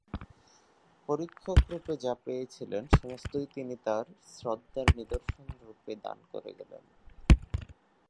পরীক্ষকরূপে যা পেয়েছিলেন সমস্তই তিনি তাঁর শ্রদ্ধার নিদর্শনরূপে দান করে গেলেন।